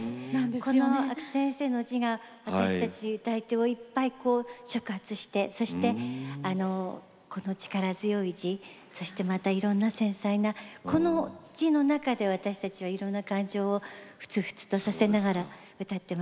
この阿久先生の字が私たち歌い手をいっぱい触発してそしてあのこの力強い字そしてまたいろんな繊細なこの字の中で私たちはいろんな感情をふつふつとさせながら歌ってまいりました。